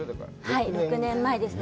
はい、６年前です。